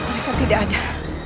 mereka tidak ada